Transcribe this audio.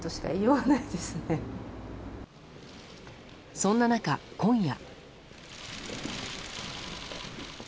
そんな中、今夜。